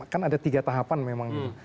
kan ada tiga tahapan memang gitu